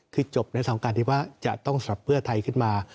คือจบในสองการที่ว่าจะต้องสลับเพื่อไทยขึ้นมา